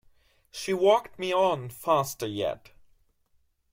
She walked me on faster yet.